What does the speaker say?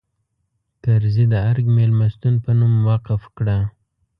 کرزي د ارګ مېلمستون په نوم وقف کړه.